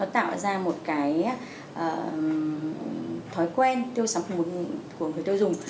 tạo ra một thói quen tiêu sản phẩm của người tiêu dùng